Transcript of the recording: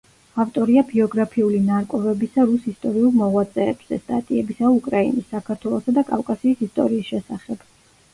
ავტორია ბიოგრაფიული ნარკვევებისა რუს ისტორიულ მოღვაწეებზე, სტატიებისა უკრაინის, საქართველოსა და კავკასიის ისტორიის შესახებ.